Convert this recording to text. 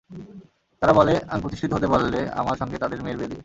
তারা বলে, আমি প্রতিষ্ঠিত হতে পারলে আমার সঙ্গে তাদের মেয়ের বিয়ে দেবে।